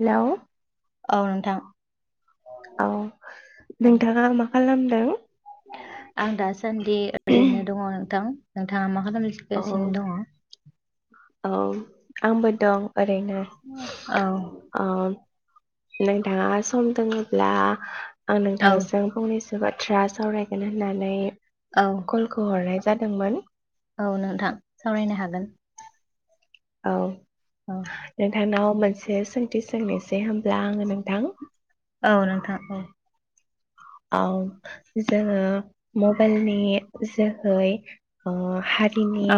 Hello औ नोंथां औ औ नोंथाङा मा खालाम दों? आं दासान्दि ओरैनो दङ नोंथां। नोंथाङा मा [unintelligible] औ गासिनो दङ? औ आंबो दं ओरैनो औ ओम नोंथाङा सम दोङोब्ला आं औ नोंथांजों फंनैसो बाथ्रा सावरायगोन होननानै औ कलखौ हरनाय जा जादोंमोन। औ नोंथां सावरायनो हागोन। औ औ नोंथांनाव मोनसे सोंथि सोंनोसै होमब्ला आङो नोंथां। औ नोंथां औ। औ। जोङो मबाइलनि जोहै ओ हारिनि औ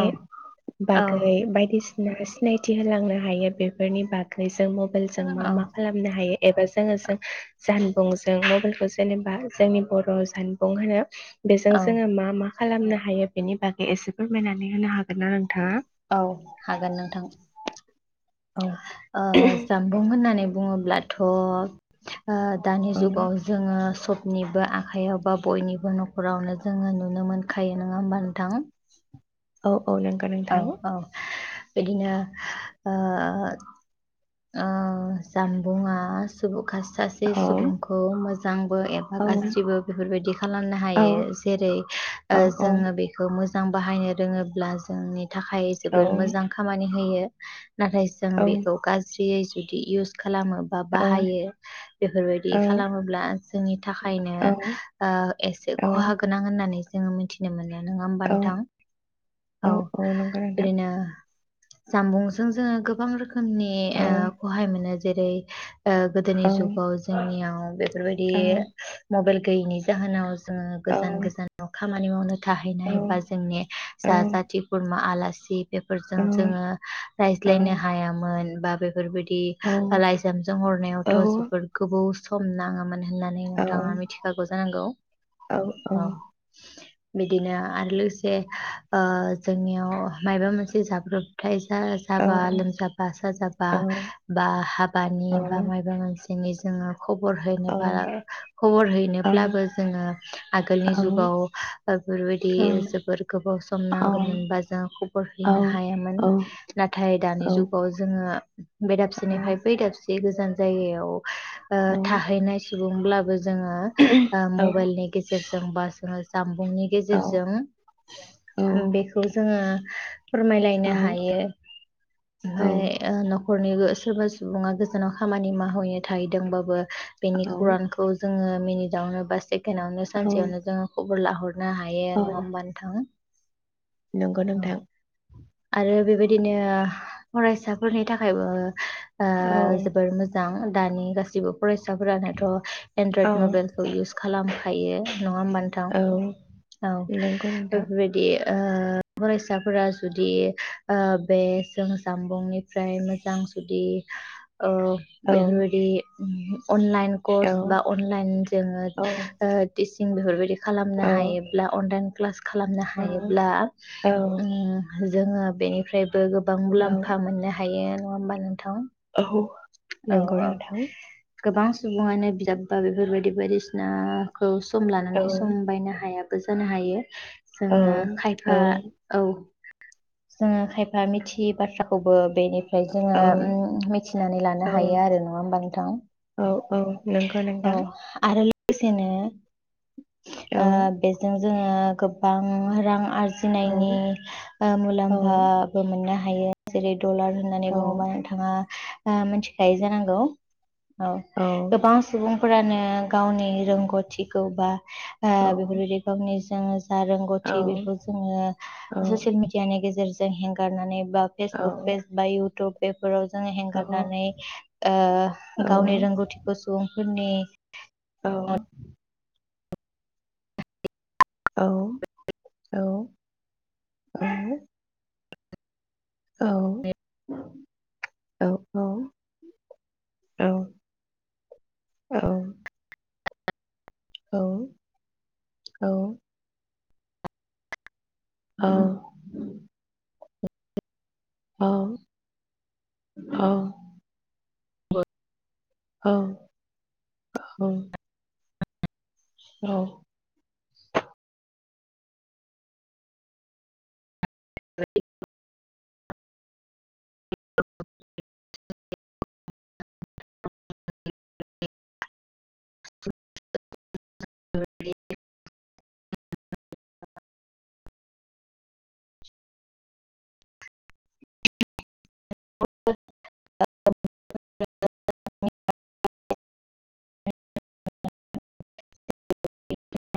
औ बागै बायदिसि नो सिनायथि होलांनो हायो बेफोरनि बागै जों मबाइलजों मा औ मा खालामनो हायो एबा जोङो जों जानबुंजों म बेखौ जेने बा जोंनि बर' जानबुं होनो बेजों औ जोङो मा मा खालामनो हायो बेनि बागै एसे फोरमायनानै होनो हागोन ना नोंथाङा? औ हागोन नोंथां। औ ओ जामबुं होननानै बुङो ब्लाथ' ओ दानि औ जुगाव जोङो सब निबो आखाइयाव बा बयनिबो न'खरावनो जोङो नुनो मोनखायो नोङा होमबा नोंथां? औ। औ नंगौ औ नोंथां। औ बिदिनो ओ ओ जामबुंआ सुबु खास सासे औ सुबुंखौ मोजांबो एबा औ गाज्रिबो बेफोर बायदि खालामनो औ हायो जेरै औ जोङो औ बेखौ मोज मोजां बाहायनो रोङोब्ला जोंनि थाखाय जोबोर मोजां खामानि होयो [inaudible] नाथाय जों औ बेखौ गाज यै जुदि इउस खालामो बा बाहायो बेफोर बायदि खालामोब्ला जोंनि थाखायनो ओ एसे औ खहा गोनां होननानै जोङो मिथिनो मोनो नङा होमबा औ नोंथां? औ बिदिनो जामबुंजों जोङो गोबां रोखोमनि औ ओ खहाय मोनो जेरै ओ गोदोनि औ जुगाव जों नियाव बेफोरबायदि औ मबाइल गैनि जाहोनाव जोङो औ गोजान गोजानावखा खामानि मावनो औ थाहैनाय बा जोंनि जा औ जाथि खुरमा आलासि [unintelligible] बेफोरजों जोङो रायज्लायनो हायामोन । बेफोरबायदि लाइजामजों हरनायावथ' जबोद गोबोव सम नाङा मोन । होननानै नोंथाङा मिथिखागौ जानांगौ औ बिदिनो आरो लोगोसे ओ जोंनियाव मायबा मोनसे जाब्रबथाय दा जाबा लोमजाबा साजाबा बा हाबानि बा मायबा मोनसे बा दिनै जोङो खबर हैनोबा खबर हैनोब्लाबो जोङो आगोलनि जुगाव बेफोरबायदि जोबोर गोबाव सम नांगौमोनबा जोङ खबर हैनो हायामोन नाथाय दानि जुगाव जोङो बेै दाबसिनिफ्राय बै दाबसे बे गोजान जायगायाव ओ थाहैनाय सुबुं ब्लाबो जोङो ओ मबाइलनि गेजेरजों बा जोङो जाम बुंनि गेजेरजों बेखौ जोङो फोरमायलायनो हायो ओमफ्राय ओ न खरनि सोरबा सुबुङा गोजानाव खामानि मावहैनो थाहैदोंबाबो बेनि खौरांखौ जोङो मिनिदआवनो बा चेके नावनो सानसेयावनो जोङो खबर लाह रनो हायो नङा होमबानो नोंथां? नंगौ नोंथां। आरो बेबायदिनो फरायसाफोरनि थाखायबो ओ जोबोर मोजां। दानि गासिबो फरायसाफोरानथ' एनड्रयद मबाइल खौ इउस खालामखायो नङा होमबा नोंथां औ बेफोरबायदि ओ फरायसाफोरा जुदि ओ बे जों जामबुंनिफ्राय मोजां जुदि ओ बेफोरबायदि [inaudible] अनलाइन कर्स बा अनलाइन जोङो ओ टि सिं बेफोरबायदि खालामनो हायोब्ला अनलाइन क्लास खालामनो हायोब्ला उम जोङो बेनिफ्राय बो गोबां मुलाम्फा मोननो हायो। नङा होमबा नोंथां? औ औ नंगौ औ नोंथां। गोबां सुबुङानो बिजाब बा बेफोरबायदि बायदिसिना खौ सम लानानै सम बायनो हायाबो जानो हायो। औ जोङो औ खायफा औ। जोङो खायफा मिथियै बाथ्राखौबो बेनि फ्राय औ जोङो मिथिनानै लानो हायो आरो नङा होमबा नोंथां? औ औ नंगौ औ नोंथां आरो लो गोसेनो औ आ बेजों जोङो गोबां रां आर औ जिनायनि औ मुलाम्फाबो मोननो हा हायो जेरै डलार होननानै औ बुङोबा नोंथाङा आ मोनथि खायो जानांगौ। औ गोबां सुबुं फोरानो गावनि रोंगौथिखौ बा आ औ बेफोरबायदि [unintelligible] [unintelligible] रोंगौथि बेखौ जोङो औ ससियेल मिदियानि गेजेरजों जों हेंगारनानै बा फेसबुक पेेज बा इउथुब फोराव जों औ हेंगारनानै ओ औ गावनि रोंगौथिखौ सुबुं फोरनि औ औ औ औ। औ औ औ औ औ। औ औ। औ। औ औ। औ औ। औ। [inaudible] [inaudible]